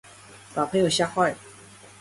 把朋友嚇壞了